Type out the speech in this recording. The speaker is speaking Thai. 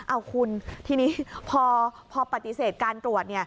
เอาคุณทีนี้พอปฏิเสธการตรวจ